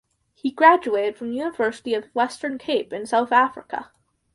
He graduated from University of Western Cape in South Africa.